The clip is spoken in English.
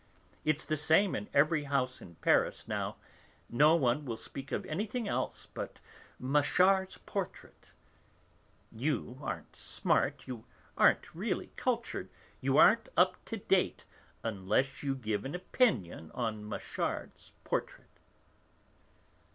It's the same in every house in Paris now, no one will speak of anything else but Machard's portrait; you aren't smart, you aren't really cultured, you aren't up to date unless you give an opinion on Machard's portrait."